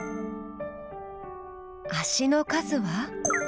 足の数は？